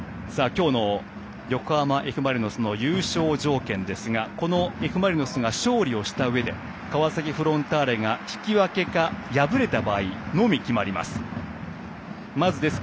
今日の横浜、Ｆ・マリノスの優勝条件ですが勝利をしたうえで川崎フロンターレが引き分けか敗れた場合のみ決まります。